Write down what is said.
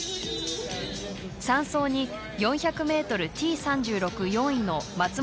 ３走に４００ｍＴ３６４位の松本武尊選手を起用。